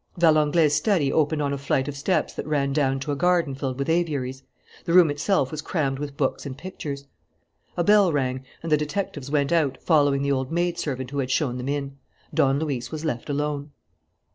Valenglay's study opened on a flight of steps that ran down to a garden filled with aviaries. The room itself was crammed with books and pictures. A bell rang, and the detectives went out, following the old maidservant who had shown them in. Don Luis was left alone.